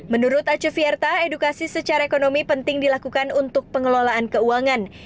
menurut acu fierta edukasi secara ekonomi penting dilakukan untuk pengelolaan keuangan